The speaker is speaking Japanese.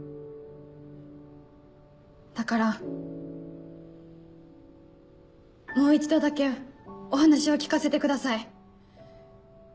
だからもう一度だけお話を聞かせてください。